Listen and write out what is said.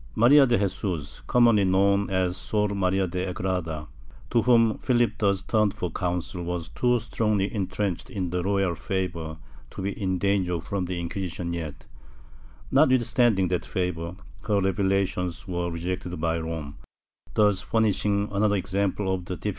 ^ Maria de Jesus, commonly known as Sor Maria de Agreda, to whom Philip thus turned for counsel, was too strongly entrenched in the royal favor to be in danger from the Inquisition yet, notwithstanding that favor, her revelations were rejected by Rome, thus furnishing another example of the difficulty of differen 1 Vida, pp.